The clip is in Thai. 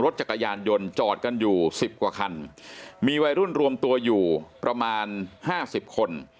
จักรยานยนต์จอดกันอยู่สิบกว่าคันมีวัยรุ่นรวมตัวอยู่ประมาณห้าสิบคน